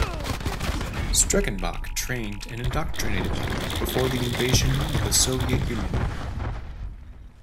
Streckenbach trained and indoctrinated them before the invasion of the Soviet Union.